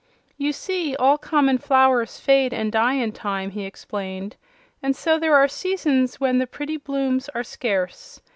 "You see, all common flowers fade and die in time," he explained, "and so there are seasons when the pretty blooms are scarce.